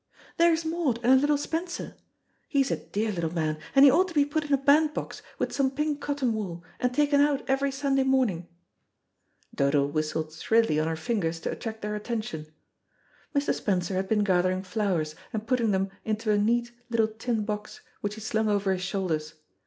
There's Maud and her little Spencer. He's a dear little man, and he ought to be put in a band box with some pink cotton wool, and taken out every Sunday morning." Dodo whistled shrilly on her fingers to attract their attention. Mr. Spencer had been gathering flowers and putting them into a neat, little tin box, which he slung over his shoulders.